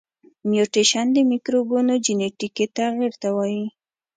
میوټیشن د مکروبونو جنیتیکي تغیر ته وایي.